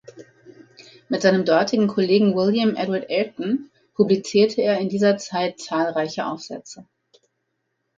Mit seinem dortigen Kollegen William Edward Ayrton publizierte er in dieser Zeit zahlreiche Aufsätze.